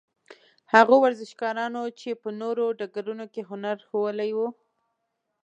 هغو ورزشکارانو چې په نورو ډګرونو کې هنر ښوولی وو.